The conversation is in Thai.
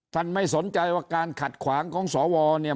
ไม่สนใจว่าการขัดขวางของสวเนี่ย